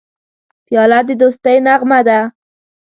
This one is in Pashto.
پیاله د دوستی نغمه ده.